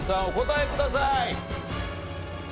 お答えください。